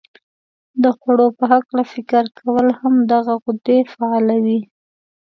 د خوړو په هلکه فکر کول هم دغه غدې فعالوي.